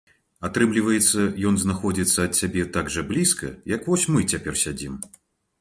Атрымліваецца, ён знаходзіцца ад цябе так жа блізка, як вось мы цяпер сядзім.